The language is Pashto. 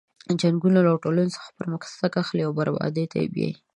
جنګونه له ټولنې څخه پرمختګ اخلي او بربادۍ ته یې بیایي.